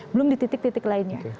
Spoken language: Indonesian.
belum di titik titik lainnya